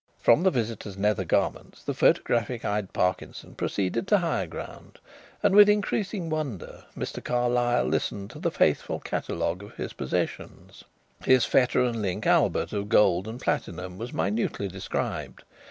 From the visitor's nether garments the photographic eyed Parkinson proceeded to higher ground, and with increasing wonder Mr. Carlyle listened to the faithful catalogue of his possessions. His fetter and link albert of gold and platinum was minutely described.